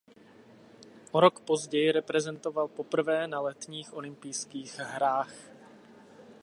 O rok později reprezentoval poprvé na letních olympijských hrách.